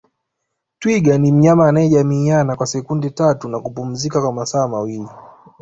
Twiga ni mnyama anayejamiiana kwa sekunde tatu na kupumzika kwa masaa mawili